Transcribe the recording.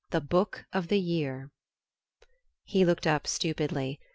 THE BOOK OF THE YEAR...." He looked up stupidly.